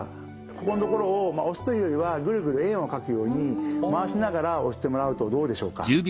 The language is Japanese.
ここのところを押すというよりはグルグル円を描くように回しながら押してもらうとどうでしょうか？